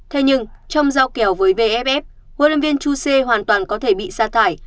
thế nhưng trong giao kèo với vff huấn luyện viên chú siê hoàn toàn có thể bị xa thải